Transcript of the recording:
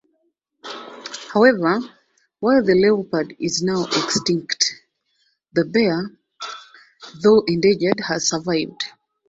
However, while the leopard is now extinct the bear, though endangered, has survived.